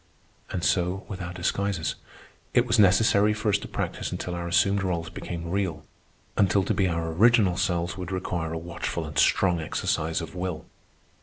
And so with our disguises. It was necessary for us to practise until our assumed roles became real; until to be our original selves would require a watchful and strong exercise of will.